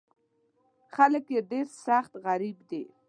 خلک یې ډېر سخت غریب دي.